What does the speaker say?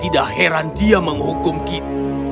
tidak heran dia menghukum kita